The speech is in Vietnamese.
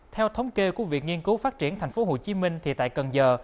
theo thống kê của việc nghiên cứu phát triển tp hcm thì tại cần giờ